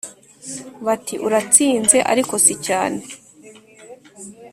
bati : uratsinze ariko si cyane.